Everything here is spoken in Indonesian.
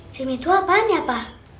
sim itu apaan ya pak